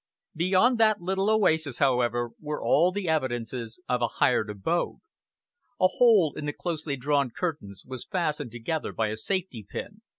Beyond that little oasis, however, were all the evidences of a hired abode. A hole in the closely drawn curtains was fastened together by a safety pin.